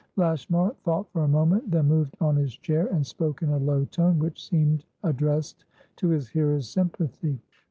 Lashmar thought for a moment, then moved on his chair, and spoke in a low tone, which seemed addressed to his hearer's sympathy.